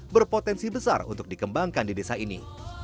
berpotensi besar untuk dikembangkan di desa ini